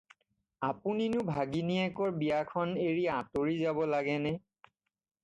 আপুনি নো ভাগিনীয়েকৰ বিয়াখন এৰি আঁতৰি যাব লাগেনে?